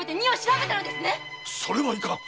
それはいかん‼